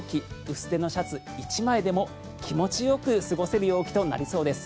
薄手のシャツ１枚でも気持ちよく過ごせる陽気となりそうです。